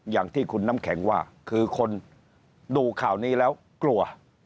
อย่างที่คุณน้ำแข็งว่าคือคนดูข่าวนี้แล้วกลัว